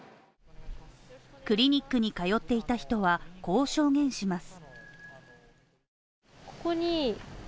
クリニックに通っていた人は、こう証言します。